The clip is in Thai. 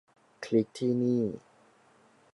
คลิกที่นี่